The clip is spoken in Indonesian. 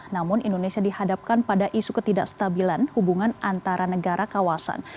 namun indonesia dihadapkan pada isu ketidakstabilan hubungan antara negara kawasan